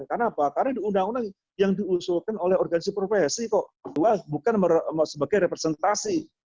kenapa karena di undang undang yang diusulkan oleh organisasi profesi kok bukan sebagai representasi